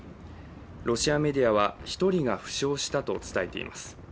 ロシアメディアは、１人が負傷したと伝えています。